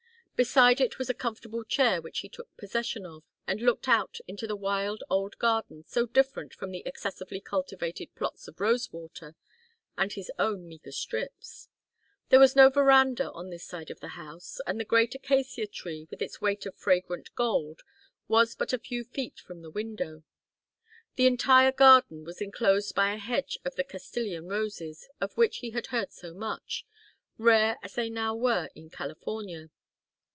Beside it was a comfortable chair which he took possession of and looked out into the wild old garden so different from the excessively cultivated plots of Rosewater and his own meagre strips. There was no veranda on this side of the house, and the great acacia tree, with its weight of fragrant gold, was but a few feet from the window. The entire garden was enclosed by a hedge of the Castilian roses of which he had heard so much, rare as they now were in California.